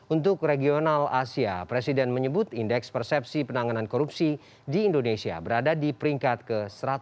untuk regional asia presiden menyebut indeks persepsi penanganan korupsi di indonesia berada di peringkat ke satu ratus enam puluh